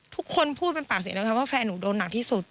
ทุกคนพูดเป็นปากเสียงนะคะว่าแฟนหนูโดนหนักที่สุด